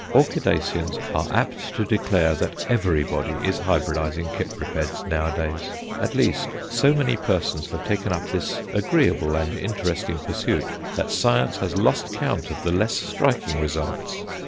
Orchidaceans are apt to declare that "everybody" is hybridizing Cypripeds nowadays. At least, so many persons have taken up this agreeable and interesting pursuit that science has lost count of the less striking results.